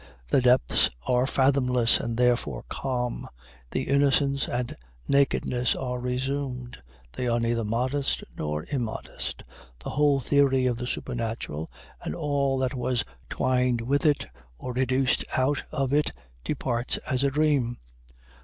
The depths are fathomless, and therefore calm. The innocence and nakedness are resumed they are neither modest nor immodest. The whole theory of the supernatural, and all that was twined with it or educed out of it, departs as a dream.